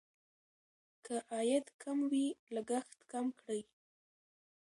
که عاید کم وي لګښت کم کړئ.